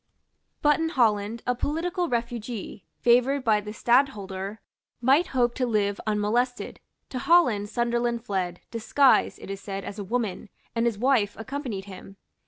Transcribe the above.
But in Holland a political refugee, favoured by the Stadtholder, might hope to live unmolested. To Holland Sunderland fled, disguised, it is said, as a woman; and his wife accompanied him.